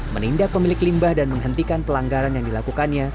menindak pemilik limbah dan menghentikan pelanggaran yang dilakukannya